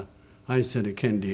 『愛する権利』？